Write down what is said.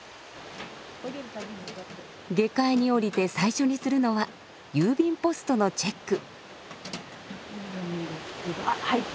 下界におりて最初にするのは郵便ポストのチェック。